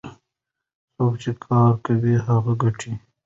څوک چې کار کوي هغه ګټي.